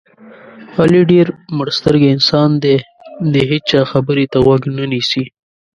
علي ډېر مړسترګی انسان دی دې هېچا خبرې ته غوږ نه نیسي.